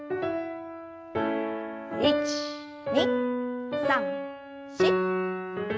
１２３４。